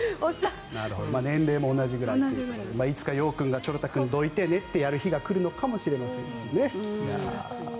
年齢も同じぐらいということでいつか陽君がちょろ太くんどいてねってやる日が来るのかもしれません。